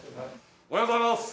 おはようございます。